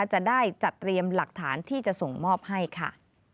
จะได้จัดเตรียมหลักฐานที่จะส่งมอบให้ค่ะ